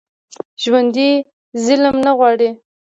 ژوندي ظلم نه غواړي